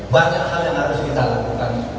banyak hal yang harus kita lakukan